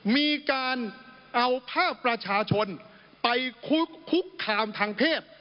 มีการเอาภาพประชาชนไปคุกคามทางเพศ